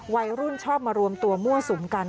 วัยรุ่นชอบมารวมตัวมั่วสุมกัน